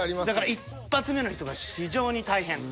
だから１発目の人が非常に大変。